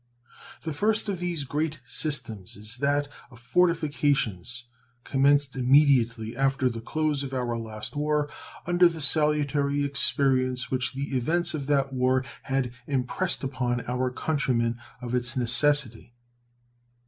The first of these great systems is that of fortifications, commenced immediately after the close of our last war, under the salutary experience which the events of that war had impressed upon our country men of its necessity.